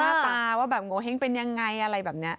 หน้าตาว่าแบบโงเห้งเป็นยังไงอะไรแบบนี้